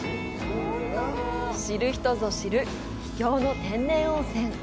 知る人ぞ知る、秘境の天然温泉。